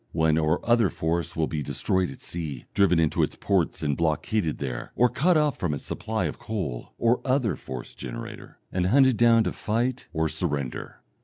One or other force will be destroyed at sea, driven into its ports and blockaded there, or cut off from its supply of coal (or other force generator), and hunted down to fight or surrender.